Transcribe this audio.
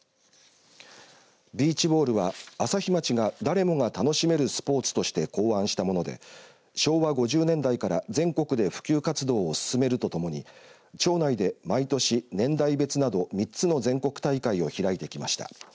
ビーチボールは朝日町が誰もが楽しめるスポーツとして考案したもので昭和５０年代から全国で普及活動を進めるとともに町内で毎年、年代別など３つの全国大会を開いてきました。